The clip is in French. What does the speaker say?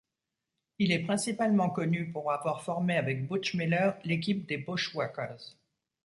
Il est principalement connu pour avoir formé avec Butch Miller l'équipe des Bushwhackers.